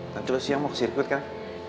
nanti lo siang mau ke sirkuit kan